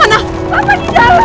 ya pak makasih ya pak